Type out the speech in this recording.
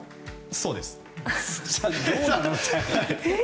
そうです。